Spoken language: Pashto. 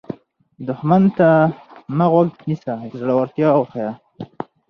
دښمن ته مه غوږ نیسه، زړورتیا وښیه